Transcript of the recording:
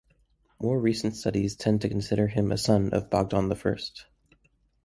More recent studies tend to consider him a son of Bogdan the First.